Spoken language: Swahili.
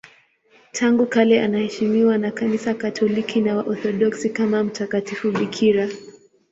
Tangu kale anaheshimiwa na Kanisa Katoliki na Waorthodoksi kama mtakatifu bikira.